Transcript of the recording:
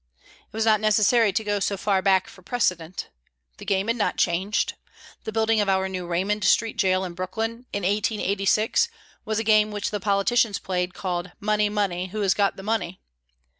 It was not necessary to go so far back for precedent. The game had not changed. The building of our new Raymond Street jail in Brooklyn, in 1886, was a game which the politicians played, called "money, money, who has got the money?"